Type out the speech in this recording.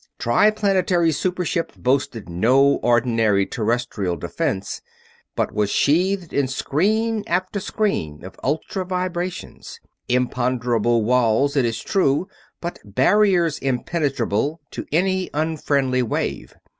Triplanetary's super ship boasted no ordinary Terrestrial defense, but was sheathed in screen after screen of ultra vibrations: imponderable walls, it is true, but barriers impenetrable to any unfriendly wave.